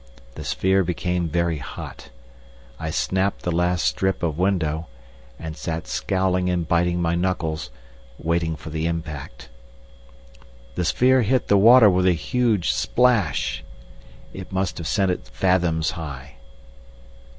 The sphere became very hot. I snapped the last strip of window, and sat scowling and biting my knuckles, waiting for the impact.... The sphere hit the water with a huge splash: it must have sent it fathoms high.